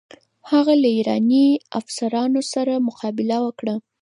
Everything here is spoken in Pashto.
هغه له ایراني افسرانو سره مقابله وکړه.